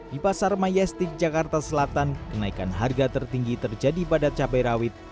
di pasar mayastik jakarta selatan kenaikan harga tertinggi terjadi pada cabai rawit